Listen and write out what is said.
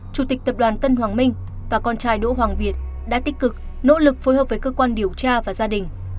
chủ tịch tập đoàn tân hoàng minh và con trai đỗ hoàng việt đã tích cực nỗ lực phối hợp với cơ quan điều tra và gia đình